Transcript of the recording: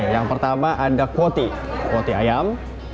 yang pertama ada kuotie kuotie ayam